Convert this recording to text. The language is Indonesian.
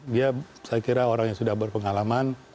dia saya kira orang yang sudah berpengalaman